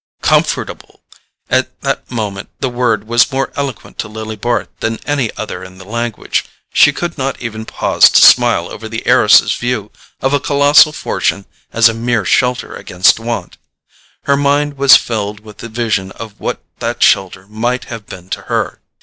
Comfortable! At that moment the word was more eloquent to Lily Bart than any other in the language. She could not even pause to smile over the heiress's view of a colossal fortune as a mere shelter against want: her mind was filled with the vision of what that shelter might have been to her.